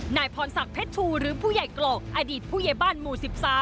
นายพรศักดิ์เพชรชูหรือผู้ใหญ่กรอกอดีตผู้ใหญ่บ้านหมู่๑๓